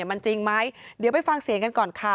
มันจริงไหมเดี๋ยวไปฟังเสียงกันก่อนค่ะ